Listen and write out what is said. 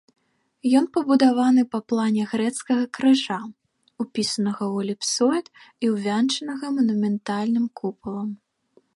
Ён пабудаваны па плане грэцкага крыжа, упісанага ў эліпсоід і увянчанага манументальным купалам.